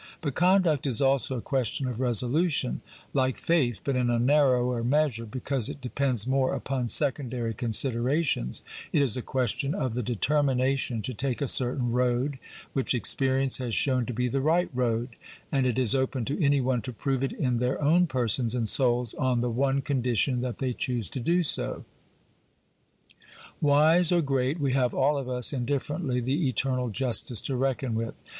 But conduct is also a question of resolution ; like faith, but in a narrower measure because it depends more upon secondary considera tions, it is a question of the determination to take a certain road which experience has shown to be the right road, and it is open to any one to prove it in their own persons and souls on the one condition that they choose to do so. CRITICAL INTRODUCTION xxxix Wise or great, we have all of us indifferently the eternal justice to reckon with.